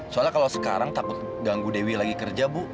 soalnya kalau sekarang takut ganggu dewi lagi kerja bu